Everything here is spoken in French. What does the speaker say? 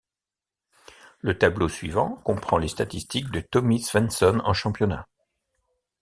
Le tableau suivant comprend les statistiques de Tommy Svensson en championnat.